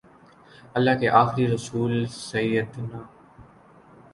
اللہ کے آخری رسول سیدنا